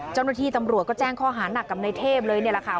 เจ้าหน้าที่ตำรวจก็แจ้งข้อหานักกับในเทพเลยนี่แหละค่ะ